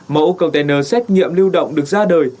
mẫu container xét nghiệm lưu động được ra đời